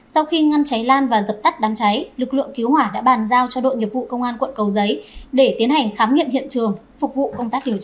sau khi ngăn cháy lan và dập tắt đám cháy lực lượng cứu hỏa đã bàn giao cho đội nghiệp vụ công an quận cầu giấy để tiến hành khám nghiệm hiện trường phục vụ công tác điều tra